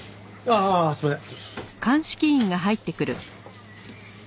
ああすいません。